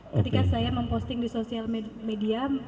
ketika saya memposting di sosial media